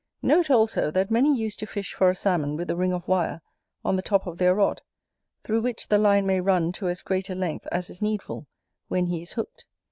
Note also, that many used to fish for a Salmon with a ring of wire on the top of their rod, through which the line may run to as great a length as is needful, when he is hooked.